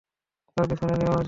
তার পেছনে যেও না।